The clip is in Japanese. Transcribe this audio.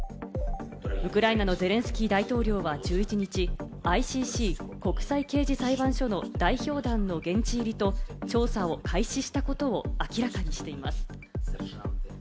ウクライナのゼレンスキー大統領は１１日、ＩＣＣ＝国際刑事裁判所の代表団の現地入りと調査を開始したことを明らかにしています。